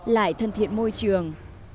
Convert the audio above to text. lại thân thiện môi trường